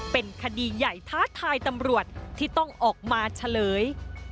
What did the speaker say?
เป็นคดีใหญ่ท้าทายตำรวจที่ต้องออกมาเฉลย